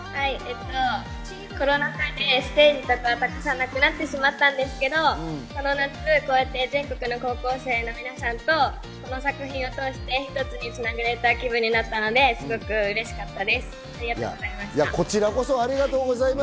コロナ禍でステージとかなくなってしまったんですけれども、この夏、こうやって全国の高校生の皆さんとこの作品を通してひとつにつながれた気分になれたのですごくうれしかったです。